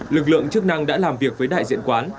lực lượng chức năng đã làm việc với đại diện quán